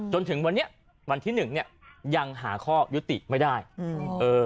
จนถึงวันนี้วันที่หนึ่งเนี้ยยังหาข้อยุติไม่ได้อืมเออ